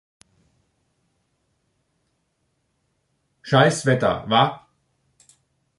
Scheiß Wetter, wa?